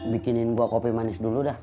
bikinin buah kopi manis dulu dah